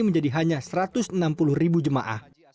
menjadi hanya satu ratus enam puluh ribu jemaah